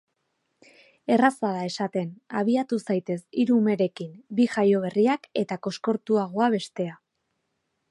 Erraza da esaten; abiatu zaitez hiru umerekin, bi jaioberriak eta koskortuagoa bestea.